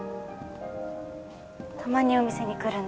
たまにお店に来るんです。